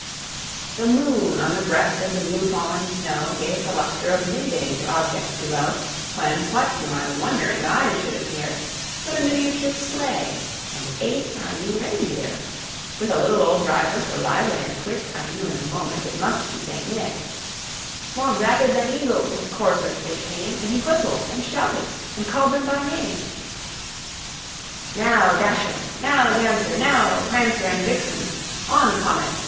The moon on the breast of the new fallen snow Gave the luster of mid day to objects below, When, what to my wondering eyes should appear, But a miniature sleigh, and eight tiny reindeer. With a little old driver, so lively and quick, I knew in a moment it must be St. Nick. More rapid than eagles his coursers they came, And he whistled, and shouted, and called them by name: "Now, Dasher! now, Dancer! now, Prancer and Vixen! On, Comet!